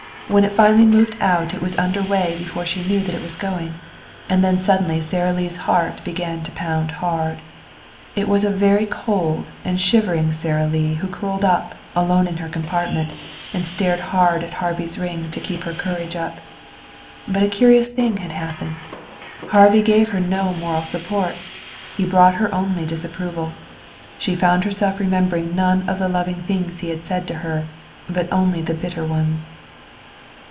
When it finally moved out it was under way before she knew that it was going. And then suddenly Sara Lee's heart began to pound hard. It was a very cold and shivering Sara Lee who curled up, alone in her compartment, and stared hard at Harvey's ring to keep her courage up. But a curious thing had happened. Harvey gave her no moral support. He brought her only disapproval. She found herself remembering none of the loving things he had said to her, but only the bitter ones.